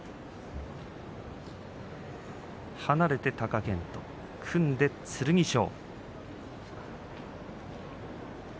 離れて貴健斗、組んで剣翔。